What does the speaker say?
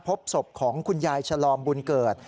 พบสบของคุณยายชลอมบูลเกิด